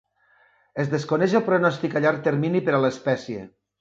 Es desconeix el pronòstic a llarg termini per a l'espècie.